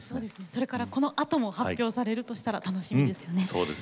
それから、このあとも発表されるとしたら楽しみですよね。